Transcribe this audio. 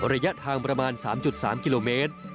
ระยะทางประมาณ๓๓กิโลเมตร